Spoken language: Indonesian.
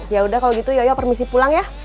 ya udah kalo gitu yoyo permisi pulang ya